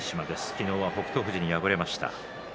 昨日は北勝富士に敗れました。